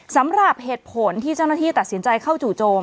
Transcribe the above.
สำหรับเหตุผลที่เจ้าหน้าที่ตัดสินใจเข้าจู่โจม